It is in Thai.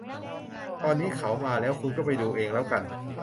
ตอนนี้เขามาแล้ว คุณก็ไปดูเองแล้วกัน